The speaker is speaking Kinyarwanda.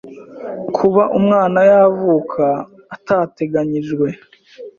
Kuba umwana yavuka atateganyijwe,